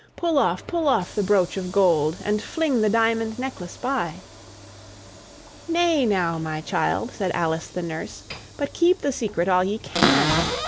Pull off, pull off the brooch of gold, And fling the diamond necklace by." "Nay now, my child," said Alice the nurse, "But keep the secret all ye can."